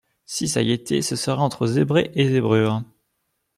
Si ça y était, ce serait entre zébré et zébrure.